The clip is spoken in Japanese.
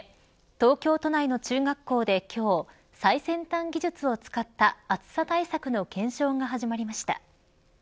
東京都内の中学校で今日最先端技術を使った暑さ対策の検証が始まりました。